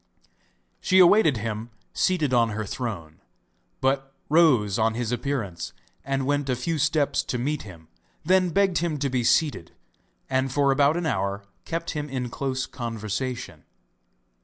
She awaited him seated on her throne, but rose on his appearance, and went a few steps to meet him; then begged him to be seated, and for about an hour kept him in close conversation.